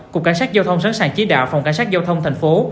cục cảnh sát giao thông sẵn sàng chí đạo phòng cảnh sát giao thông thành phố